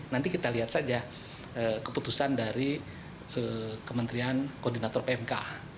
nanti kita lihat saja keputusan dari kementerian koordinator pmk